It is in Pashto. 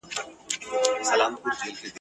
درته په قهر خدای او انسان دی ..